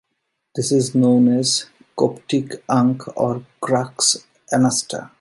This is known as the Coptic ankh or crux ansata.